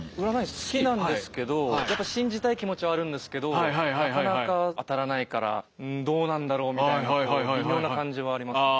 占い好きなんですけどやっぱ信じたい気持ちはあるんですけどなかなか当たらないからどうなんだろう？みたいなこう微妙な感じはあります。